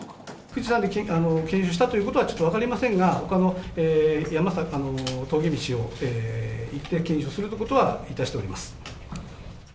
富士山で研修したということはちょっと分かりませんが、ほかの峠道を行って研修をするということはいたしております。